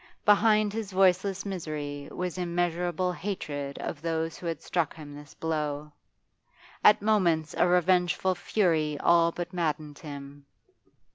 Behind his voiceless misery was immeasurable hatred of those who had struck him this blow; at moments a revengeful fury all but maddened him.